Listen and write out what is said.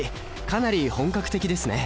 かなり本格的ですね